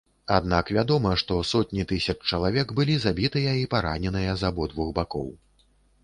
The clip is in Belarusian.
Аднак вядома, што сотні тысяч чалавек былі забітыя і параненыя з абодвух бакоў.